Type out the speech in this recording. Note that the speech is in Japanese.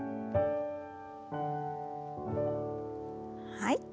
はい。